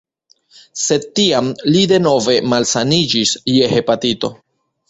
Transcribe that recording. Sed tiam li denove malsaniĝis je hepatito.